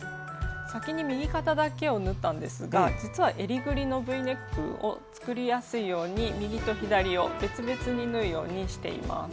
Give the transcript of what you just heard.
先に右肩だけを縫ったんですが実はえりぐりのＶネックを作りやすいように右と左を別々に縫うようにしています。